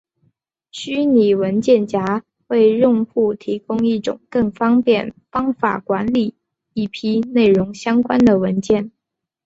虚拟文件夹为用户提供一种更方便方法管理一批内容相关的文件。